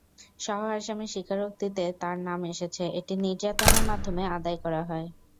সহ-আসামির স্বীকারোক্তিতে তাঁর নাম এসেছে, এটি নির্যাতনের মাধ্যমে আদায় করা হয়।